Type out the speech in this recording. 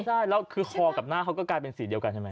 ใช่แล้วคือคอกับหน้าเขาก็กลายเป็นสีเดียวกันใช่ไหม